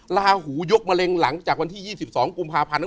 ลาหูยกมะเร็งหลังจากวันที่๒๒กุมภาพันธ์